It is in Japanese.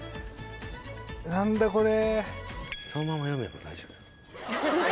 何だこれ？